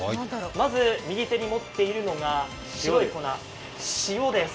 まず右手に持っているのが白い粉、塩です。